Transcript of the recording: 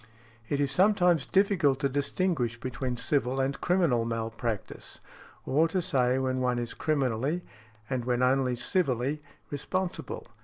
It is sometimes difficult to distinguish between civil and criminal malpractice, or to say when one is criminally, and when only civilly responsible.